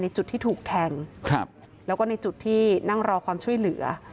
จุดที่ถูกแทงแล้วก็ในจุดที่นั่งรอความช่วยเหลือ